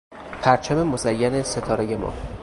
پرچم مزین ستارهی ما